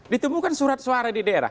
ditemukan surat suara di daerah